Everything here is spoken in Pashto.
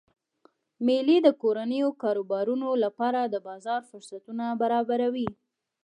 میلې د کورنیو کاروبارونو لپاره د بازار فرصتونه برابروي.